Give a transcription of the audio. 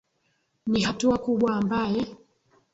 ni hatua kubwa ambae